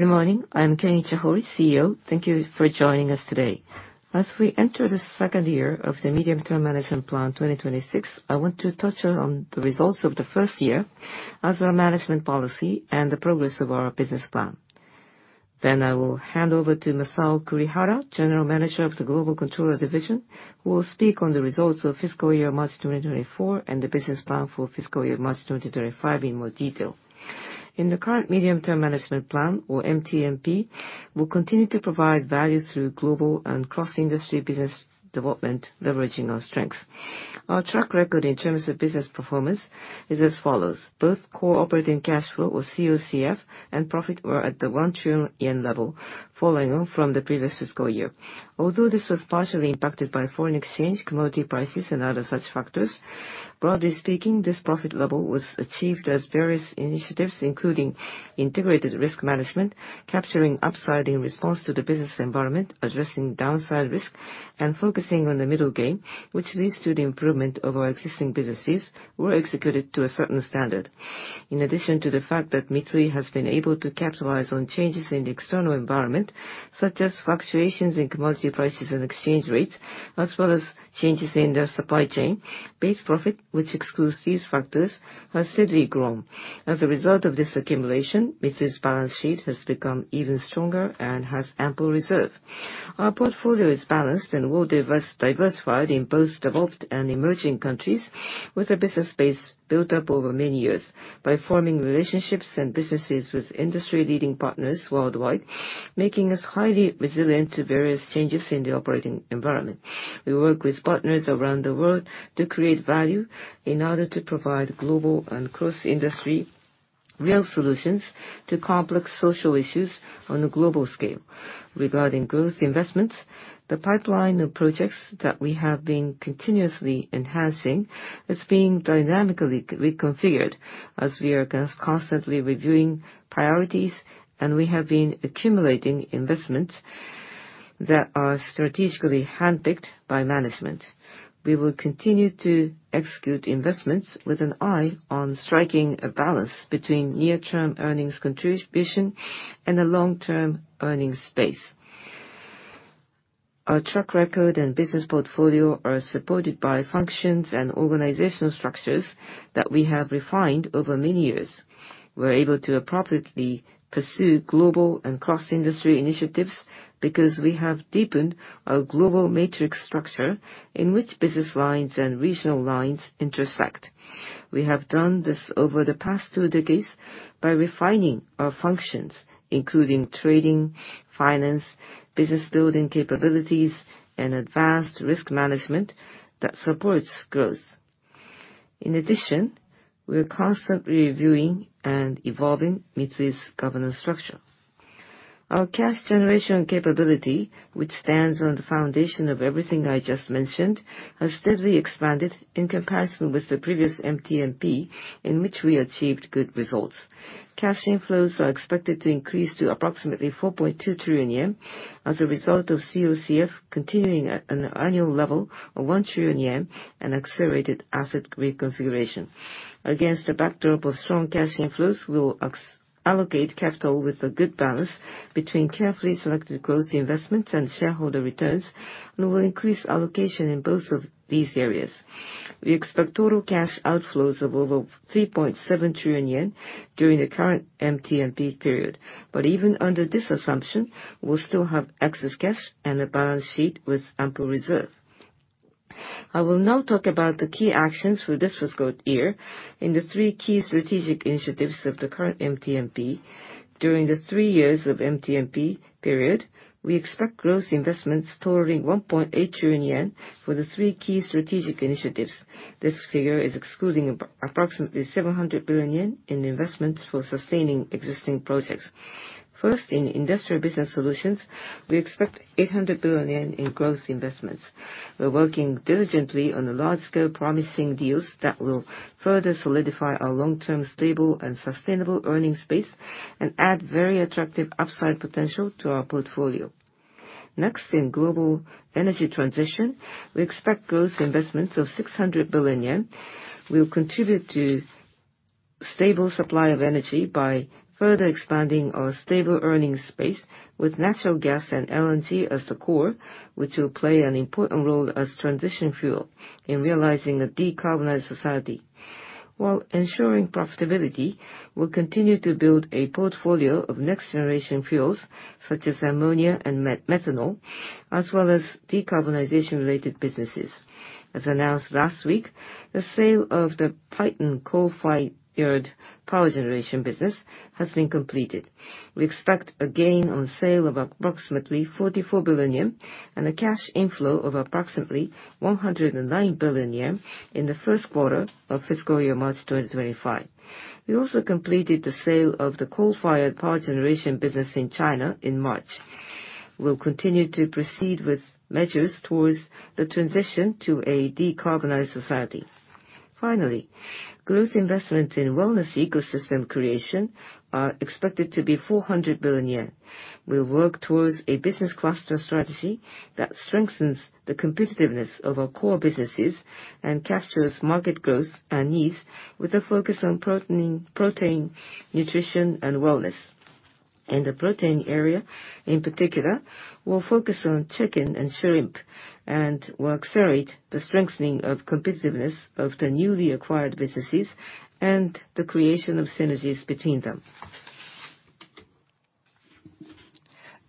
Good morning. I'm Kenichi Hori, CEO. Thank you for joining us today. As we enter the second year of the Medium-Term Management Plan 2026, I want to touch on the results of the first year as our management policy and the progress of our business plan. Then I will hand over to Masao Kurihara, General Manager of the Global Controller Division, who will speak on the results of fiscal year March 2024 and the business plan for fiscal year March 2025 in more detail. In the current Medium-Term Management Plan, or MTMP, we'll continue to provide value through global and cross-industry business development, leveraging our strengths. Our track record in terms of business performance is as follows: both core operating cash flow, or COCF, and profit were at the 1 trillion level, following on from the previous fiscal year Although this was partially impacted by foreign exchange, commodity prices, and other such factors, broadly speaking, this profit level was achieved as various initiatives, including integrated risk management, capturing upside in response to the business environment, addressing downside risk, and focusing on the middle game, which leads to the improvement of our existing businesses, were executed to a certain standard. In addition to the fact that Mitsui has been able to capitalize on changes in the external environment, such as fluctuations in commodity prices and exchange rates, as well as changes in their supply chain, base profit, which excludes these factors, has steadily grown. As a result of this accumulation, Mitsui's balance sheet has become even stronger and has ample reserve. Our portfolio is balanced and well-diversified in both developed and emerging countries, with a business base built up over many years by forming relationships and businesses with industry-leading partners worldwide, making us highly resilient to various changes in the operating environment. We work with partners around the world to create value in order to provide global and cross-industry real solutions to complex social issues on a global scale. Regarding growth investments, the pipeline of projects that we have been continuously enhancing is being dynamically reconfigured as we are constantly reviewing priorities, and we have been accumulating investments that are strategically handpicked by management. We will continue to execute investments with an eye on striking a balance between near-term earnings contribution and the long-term earnings base. Our track record and business portfolio are supported by functions and organizational structures that we have refined over many years. We're able to appropriately pursue global and cross-industry initiatives because we have deepened our global matrix structure in which business lines and regional lines intersect. We have done this over the past two decades by refining our functions, including trading, finance, business-building capabilities, and advanced risk management that supports growth. In addition, we're constantly reviewing and evolving Mitsui's governance structure. Our cash generation capability, which stands on the foundation of everything I just mentioned, has steadily expanded in comparison with the previous MTMP in which we achieved good results. Cash inflows are expected to increase to approximately 4.2 trillion yen as a result of COCF continuing at an annual level of 1 trillion yen and accelerated asset reconfiguration. Against a backdrop of strong cash inflows, we'll allocate capital with a good balance between carefully selected growth investments and shareholder returns, and we'll increase allocation in both of these areas. We expect total cash outflows of over 3.7 trillion yen during the current MTMP period. But even under this assumption, we'll still have excess cash and a balance sheet with ample reserve. I will now talk about the key actions for this fiscal year in the three key strategic initiatives of the current MTMP. During the three years of MTMP period, we expect growth investments totaling 1.8 trillion yen for the three key strategic initiatives. This figure is excluding approximately 700 billion yen in investments for sustaining existing projects. First, in Industrial Business Solutions, we expect 800 billion yen in growth investments. We're working diligently on the large-scale, promising deals that will further solidify our long-term stable and sustainable earnings base and add very attractive upside potential to our portfolio. Next, in Global Energy Transition, we expect growth investments of 600 billion yen. We'll contribute to a stable supply of energy by further expanding our stable earnings base with natural gas and LNG as the core, which will play an important role as transition fuel in realizing a decarbonized society. While ensuring profitability, we'll continue to build a portfolio of next-generation fuels such as ammonia and methanol, as well as decarbonization-related businesses. As announced last week, the sale of the Paiton coal-fired power generation business has been completed. We expect a gain on sale of approximately 44 billion yen and a cash inflow of approximately 109 billion yen in the first quarter of fiscal year March 2025. We also completed the sale of the coal-fired power generation business in China in March. We'll continue to proceed with measures towards the transition to a decarbonized society. Finally, growth investments in Wellness Ecosystem Creation are expected to be 400 billion yen. We'll work towards a business cluster strategy that strengthens the competitiveness of our core businesses and captures market growth and needs with a focus on protein, nutrition, and wellness. In the protein area, in particular, we'll focus on chicken and shrimp and will accelerate the strengthening of competitiveness of the newly acquired businesses and the creation of synergies between them.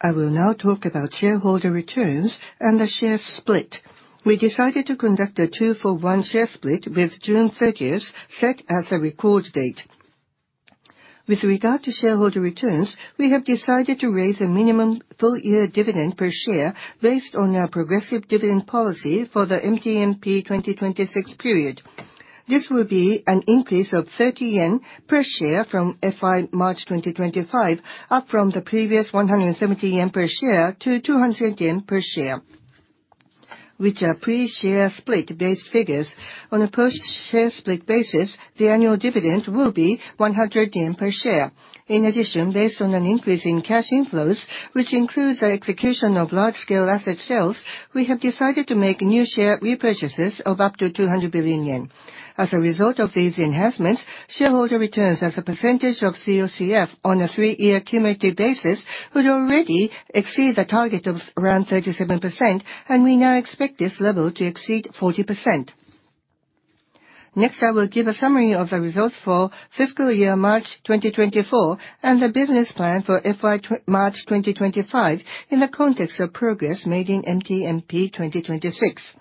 I will now talk about shareholder returns and the share split. We decided to conduct a two-for-one share split with June 30th set as a record date. With regard to shareholder returns, we have decided to raise a minimum full-year dividend per share based on our progressive dividend policy for the MTMP 2026 period. This will be an increase of 30 yen per share from FY March 2025, up from the previous 170 yen per share to 200 yen per share, which are pre-share split-based figures. On a post-share split basis, the annual dividend will be 100 yen per share. In addition, based on an increase in cash inflows, which includes the execution of large-scale asset sales, we have decided to make new share repurchases of up to 200 billion yen. As a result of these enhancements, shareholder returns as a percentage of COCF on a three-year cumulative basis would already exceed the target of around 37%, and we now expect this level to exceed 40%. Next, I will give a summary of the results for fiscal year March 2024 and the business plan for FY March 2025 in the context of progress made in MTMP 2026.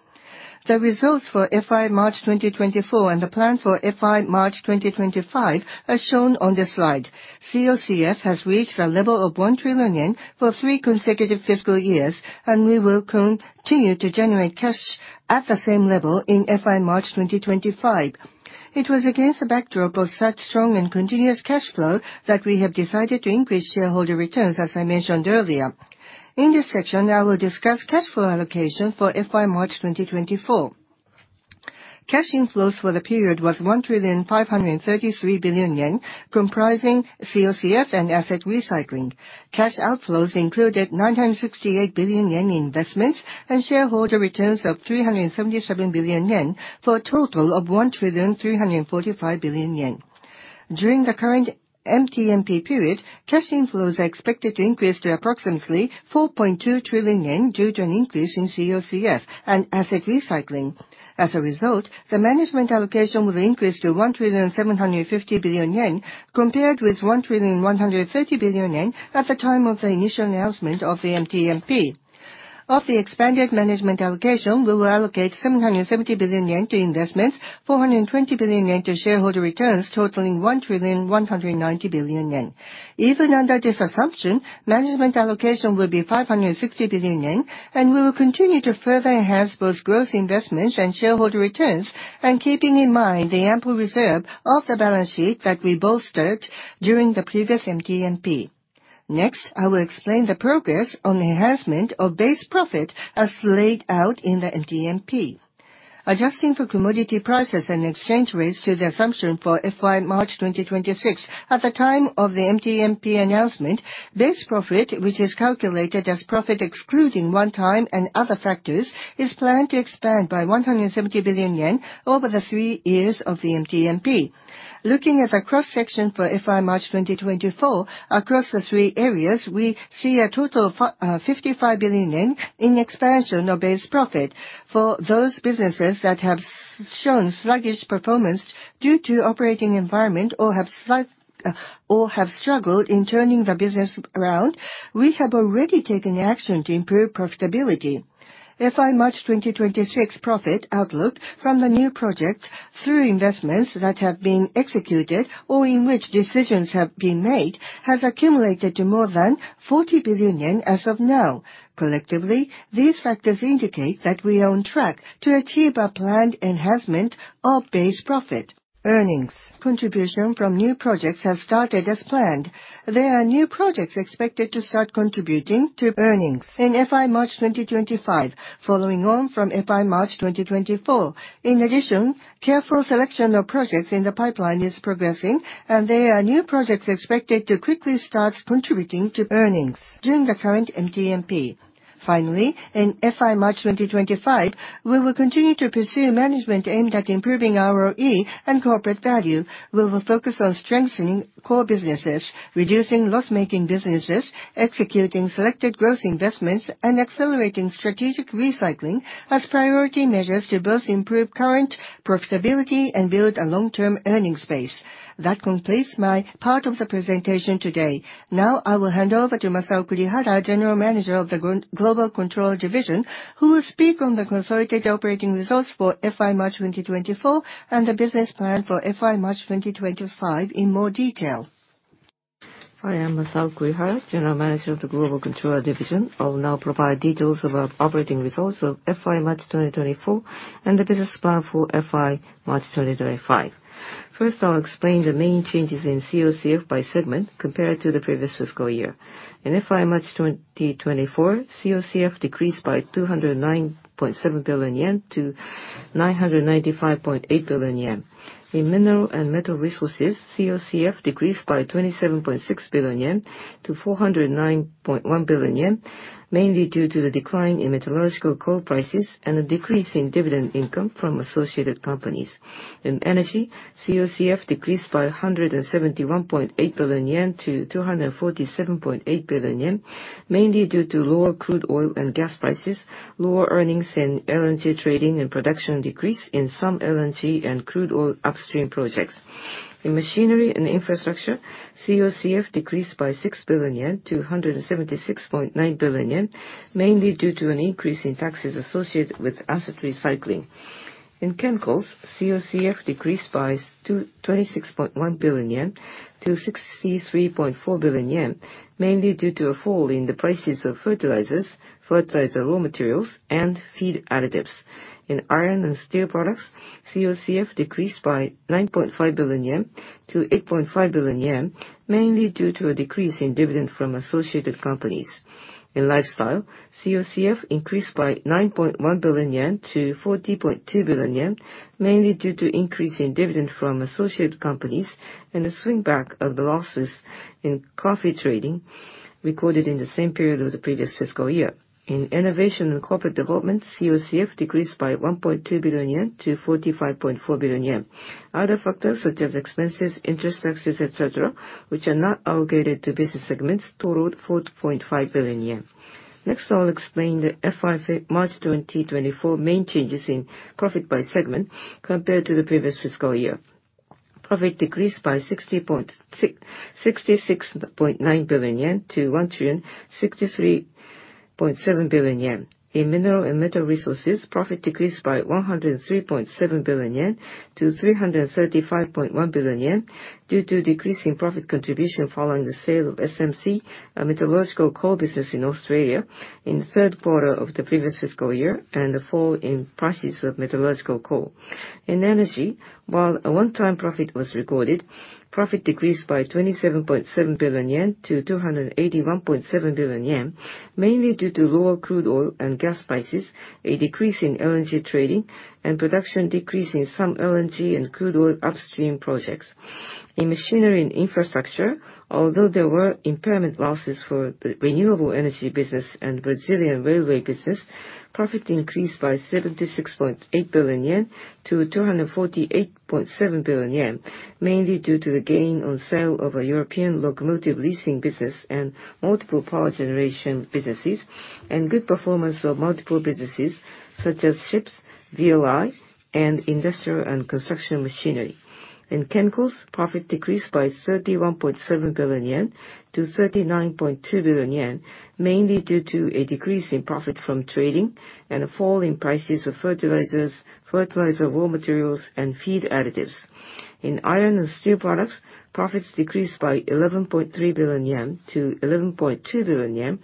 The results for FY March 2024 and the plan for FY March 2025 are shown on this slide. COCF has reached a level of 1 trillion yen for three consecutive fiscal years, and we will continue to generate cash at the same level in FY March 2025. It was against a backdrop of such strong and continuous cash flow that we have decided to increase shareholder returns, as I mentioned earlier. In this section, I will discuss cash flow allocation for FY March 2024. Cash inflows for the period were 1,533 billion yen, comprising COCF and asset recycling. Cash outflows included 968 billion yen investments and shareholder returns of 377 billion yen, for a total of 1,345 billion yen. During the current MTMP period, cash inflows are expected to increase to approximately 4.2 trillion yen due to an increase in COCF and asset recycling. As a result, the management allocation will increase to 1,750 billion yen compared with 1,130 billion yen at the time of the initial announcement of the MTMP. Of the expanded management allocation, we will allocate 770 billion yen to investments, 420 billion yen to shareholder returns, totaling 1,190 billion yen. Even under this assumption, management allocation will be 560 billion yen, and we will continue to further enhance both growth investments and shareholder returns, keeping in mind the ample reserve of the balance sheet that we bolstered during the previous MTMP. Next, I will explain the progress on enhancement of base profit as laid out in the MTMP. Adjusting for commodity prices and exchange rates to the assumption for FY March 2026 at the time of the MTMP announcement, base profit, which is calculated as profit excluding one-time and other factors, is planned to expand by 170 billion yen over the three years of the MTMP. Looking at the cross-section for FY March 2024 across the three areas, we see a total of 55 billion yen in expansion of base profit. For those businesses that have shown sluggish performance due to operating environment or have struggled in turning the business around, we have already taken action to improve profitability. FY March 2026 profit outlook from the new projects through investments that have been executed or in which decisions have been made has accumulated to more than 40 billion yen as of now. Collectively, these factors indicate that we are on track to achieve a planned enhancement of base profit earnings. Contribution from new projects has started as planned. There are new projects expected to start contributing to earnings in FY March 2025, following on from FY March 2024. In addition, careful selection of projects in the pipeline is progressing, and there are new projects expected to quickly start contributing to earnings during the current MTMP. Finally, in FY March 2025, we will continue to pursue management aimed at improving ROE and corporate value. We will focus on strengthening core businesses, reducing loss-making businesses, executing selected growth investments, and accelerating strategic recycling as priority measures to both improve current profitability and build a long-term earnings base. That completes my part of the presentation today. Now I will hand over to Masao Kurihara, General Manager of the Global Controller Division, who will speak on the consolidated operating results for FY March 2024 and the business plan for FY March 2025 in more detail. Hi, I'm Masao Kurihara, General Manager of the Global Controller Division. I'll now provide details about operating results of FY March 2024 and the business plan for FY March 2025. First, I'll explain the main changes in COCF by segment compared to the previous fiscal year. In FY March 2024, COCF decreased by 209.7 billion-995.8 billion yen. In Mineral and Metal Resources, COCF decreased by 27.6 billion-409.1 billion yen, mainly due to the decline in metallurgical coal prices and a decrease in dividend income from associated companies. In Energy, COCF decreased by 171.8 billion-247.8 billion yen, mainly due to lower crude oil and gas prices, lower earnings in LNG trading and production decrease in some LNG and crude oil upstream projects. In Machinery and Infrastructure, COCF decreased by 6 billion-176.9 billion yen, mainly due to an increase in taxes associated with asset recycling. In Chemicals, COCF decreased by 26.1 billion-63.4 billion yen, mainly due to a fall in the prices of fertilizers, fertilizer raw materials, and feed additives. In Iron and Steel Products, COCF decreased by 9.5 billion-8.5 billion yen, mainly due to a decrease in dividend from associated companies. In Lifestyle, COCF increased by 9.1 billion-40.2 billion yen, mainly due to increase in dividend from associated companies and a swingback of the losses in coffee trading recorded in the same period of the previous fiscal year. In Innovation and Corporate Development, COCF decreased by 1.2 billion-45.4 billion yen. Other factors such as expenses, interest taxes, etc., which are not allocated to business segments, totaled 4.5 billion yen. Next, I'll explain the FY March 2024 main changes in profit by segment compared to the previous fiscal year. Profit decreased by 66.9 billion-1,063.7 billion yen. In Mineral and Metal Resources, profit decreased by 103.7 billion yen to 335.1 billion yen due to decreasing profit contribution following the sale of SMC, a metallurgical coal business in Australia, in the third quarter of the previous fiscal year and a fall in prices of metallurgical coal. In Energy, while a one-time profit was recorded, profit decreased by 27.7 billion-281.7 billion yen, mainly due to lower crude oil and gas prices, a decrease in LNG trading, and production decrease in some LNG and crude oil upstream projects. In Machinery and Infrastructure, although there were impairment losses for the Renewable Energy business and Brazilian railway business, profit increased by 76.8 billion-248.7 billion yen, mainly due to the gain on sale of a European locomotive leasing business and multiple power generation businesses and good performance of multiple businesses such as ships, VLI, and industrial and construction machinery. In Chemicals, profit decreased by 31.7 billion-39.2 billion yen, mainly due to a decrease in profit from trading and a fall in prices of fertilizers, fertilizer raw materials, and feed additives. In Iron and Steel Products, profits decreased by 11.3 billion-11.2 billion yen,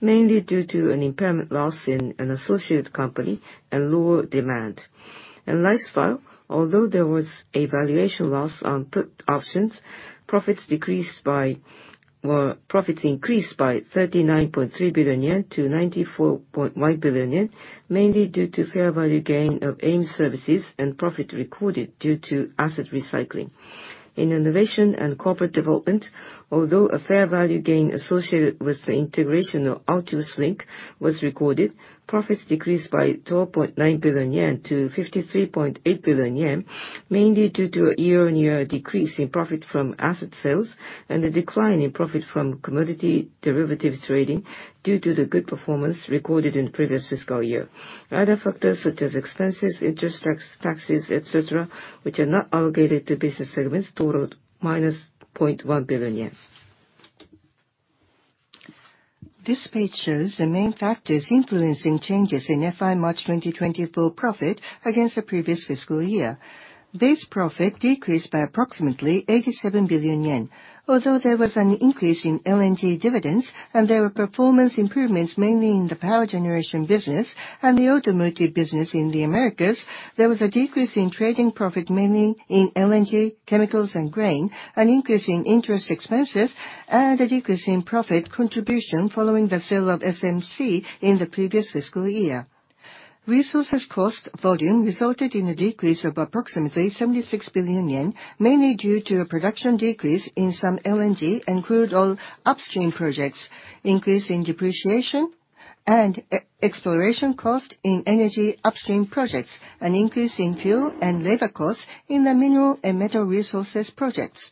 mainly due to an impairment loss in an associated company and lower demand. In Lifestyle, although there was a valuation loss on put options, profits increased by 39.3 billion-94.1 billion yen, mainly due to fair value gain of AIM Services and profit recorded due to asset recycling. In Innovation and Corporate Development, although a fair value gain associated with the integration of Altius Link was recorded, profits decreased by 12.9 billion-53.8 billion yen, mainly due to a year-on-year decrease in profit from asset sales and a decline in profit from commodity derivatives trading due to the good performance recorded in the previous fiscal year. Other factors such as expenses, interest taxes, etc., which are not allocated to business segments, totaled minus 0.1 billion yen. This page shows the main factors influencing changes in FY March 2024 profit against the previous fiscal year. base profit decreased by approximately 87 billion yen. Although there was an increase in LNG dividends and there were performance improvements mainly in the power generation business and the automotive business in the Americas, there was a decrease in trading profit mainly in LNG, Chemicals, and grain, an increase in interest expenses, and a decrease in profit contribution following the sale of SMC in the previous fiscal year. Resources cost volume resulted in a decrease of approximately 76 billion yen, mainly due to a production decrease in some LNG and crude oil upstream projects, increase in depreciation and exploration cost in energy upstream projects, and increase in fuel and labor costs in the Mineral and Metal Resources projects.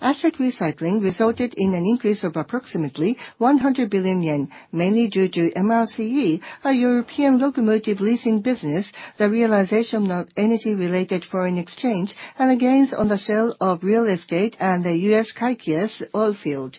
Asset recycling resulted in an increase of approximately 100 billion yen, mainly due to MRCE, a European locomotive leasing business, the realization of energy-related foreign exchange, and gains on the sale of real estate and the U.S. Kaikias oil field.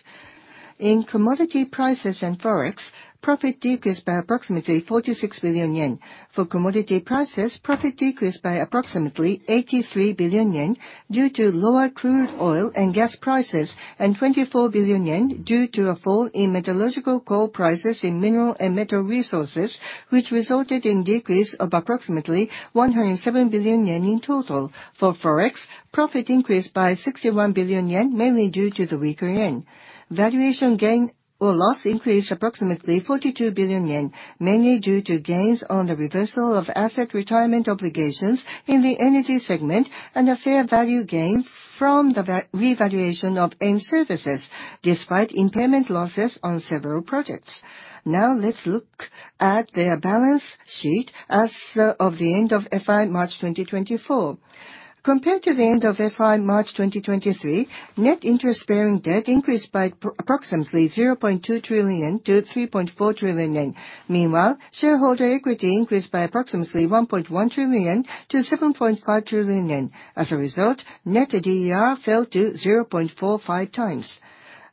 In commodity prices and forex, profit decreased by approximately 46 billion yen. For commodity prices, profit decreased by approximately 83 billion yen due to lower crude oil and gas prices and 24 billion yen due to a fall in metallurgical coal prices in Mineral and Metal Resources, which resulted in a decrease of approximately 107 billion yen in total. For forex, profit increased by 61 billion yen, mainly due to the weaker yen. Valuation gain or loss increased approximately 42 billion yen, mainly due to gains on the reversal of asset retirement obligations in the Energy segment and a fair value gain from the revaluation of AIM Services, despite impairment losses on several projects. Now let's look at the balance sheet as of the end of FY March 2024. Compared to the end of FY March 2023, net interest bearing debt increased by approximately 0.2 trillion-3.4 trillion yen. Meanwhile, shareholder equity increased by approximately 1.1 trillion-7.5 trillion yen. As a result, net DER fell-0.45 times.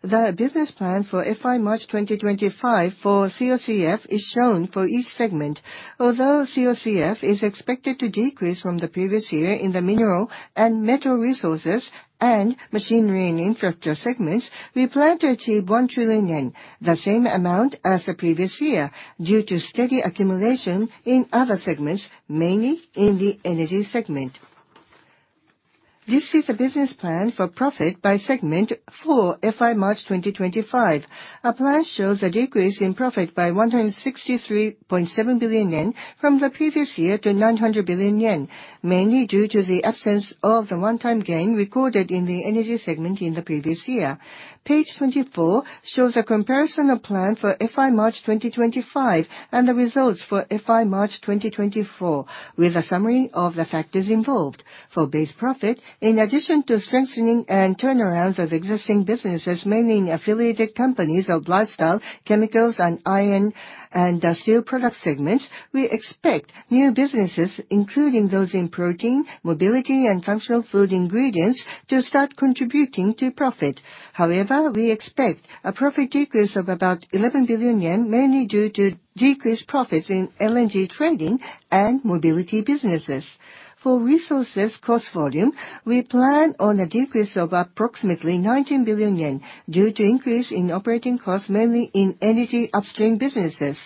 The business plan for FY March 2025 for COCF is shown for each segment. Although COCF is expected to decrease from the previous year in the Mineral and Metal Resources and Machinery and Infrastructure segments, we plan to achieve 1 trillion yen, the same amount as the previous year due to steady accumulation in other segments, mainly in the Energy segment. This is the business plan for profit by segment for FY March 2025. A plan shows a decrease in profit by 163.7 billion yen from the previous year to 900 billion yen, mainly due to the absence of the one-time gain recorded in the Energy segment in the previous year. Page 24 shows a comparison of plan for FY March 2025 and the results for FY March 2024 with a summary of the factors involved. For base profit, in addition to strengthening and turnarounds of existing businesses, mainly in affiliated companies of Lifestyle, Chemicals, and Iron and Steel Products segments, we expect new businesses, including those in protein, mobility, and functional food ingredients, to start contributing to profit. However, we expect a profit decrease of about 11 billion yen, mainly due to decreased profits in LNG trading and mobility businesses. For resources cost volume, we plan on a decrease of approximately 19 billion yen due to an increase in operating costs, mainly in energy upstream businesses.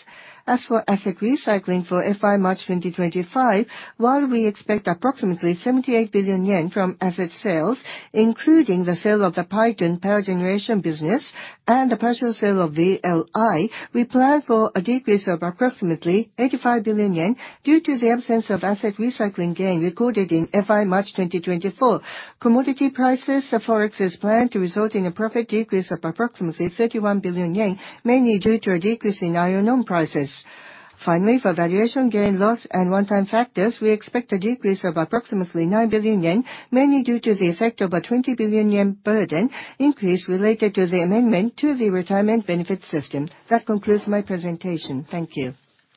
As for asset recycling for FY March 2025, while we expect approximately 78 billion yen from asset sales, including the sale of the Paiton power generation business and the partial sale of VLI, we plan for a decrease of approximately 85 billion yen due to the absence of asset recycling gain recorded in FY March 2024. Commodity prices forex is planned to result in a profit decrease of approximately 31 billion yen, mainly due to a decrease in iron ore prices. Finally, for valuation gain, loss, and one-time factors, we expect a decrease of approximately 9 billion yen, mainly due to the effect of a 20 billion yen burden increase related to the amendment to the retirement benefit system. That concludes my presentation. Thank you.